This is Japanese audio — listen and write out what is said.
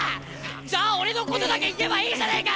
じゃあ俺のことだけ言えばいいじゃねえか！